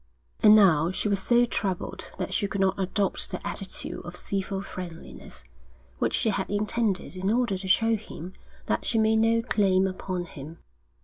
And now she was so troubled that she could not adopt the attitude of civil friendliness which she had intended in order to show him that she made no claim upon him.